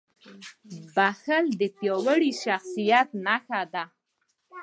• بښل د پیاوړي شخصیت نښه ده.